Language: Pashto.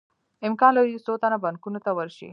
امکان لري څو تنه بانکونو ته ورشي